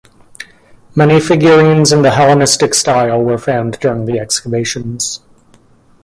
Many figurines in the Hellenistic style were found during the excavations.